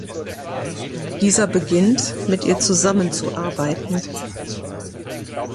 Dieser beginnt, mit ihr zusammenzuarbeiten.